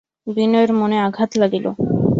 বিনয়ের মনে আঘাত লাগিল।